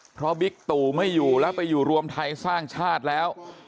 เพราะบิ๊กตู่ไม่อยู่แล้วไปอยู่รวมไทยสร้างชาติแล้ว